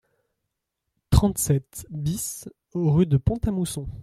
trente-sept BIS rue de Pont A Mousson